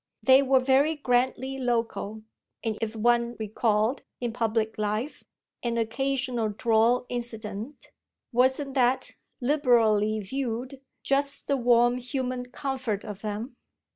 They were very grandly local, and if one recalled, in public life, an occasional droll incident wasn't that, liberally viewed, just the warm human comfort of them?